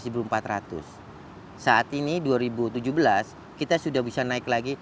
saat ini dua ribu tujuh belas kita sudah bisa naik lagi